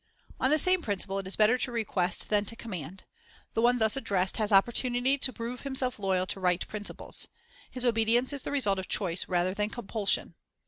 On the same principle it is better to request than to command; the one thus addressed has opportunity to prove himself loyal to right principles. His obedience is the result of choice rather than compulsion.